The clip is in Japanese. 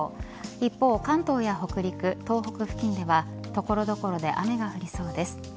一方、関東や北陸、東北付近では所々で雨が降りそうです。